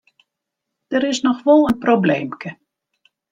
Der is noch wol in probleemke.